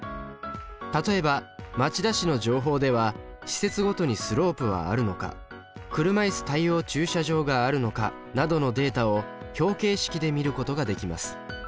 例えば町田市の情報では施設ごとにスロープはあるのか車いす対応駐車場があるのかなどのデータを表形式で見ることができます。